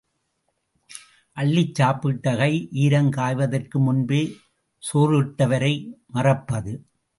அள்ளிச் சாப்பிட்ட கை, ஈரம் காய்வதற்கு முன்பே சோறிட்டவரை மறப்பது.